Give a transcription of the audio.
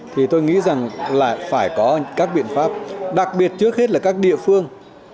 thì tôi nghĩ rằng lại phải có các biện pháp đặc biệt trước hết là các địa phương